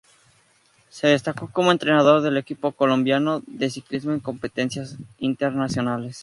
Se destacó como entrenador del equipo colombiano de ciclismo en competencias internacionales.